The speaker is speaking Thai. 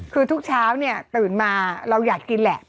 คือทุกเช้าเนี่ยตื่นมาเราอยากกินแหละ